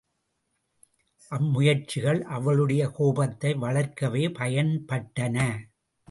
அம்முயற்சிகள் அவளுடைய கோபத்தை வளர்க்கவே பயன்பட்டன.